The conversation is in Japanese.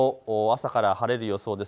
朝から晴れる予想です。